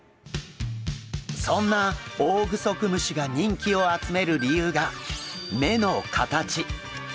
そんなオオグソクムシが人気を集める理由が目の形。